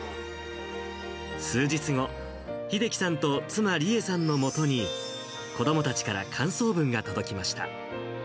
数日後、秀樹さんと妻、利詠さんのもとに子どもたちから感想文が届きました。